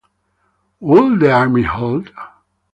Would the Army hold?